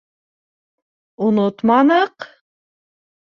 — Онотманыҡ!